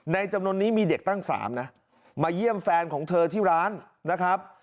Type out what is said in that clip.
จำนวนนี้มีเด็กตั้ง๓นะมาเยี่ยมแฟนของเธอที่ร้านนะครับ